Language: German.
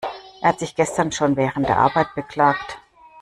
Er hat sich gestern schon während der Arbeit beklagt.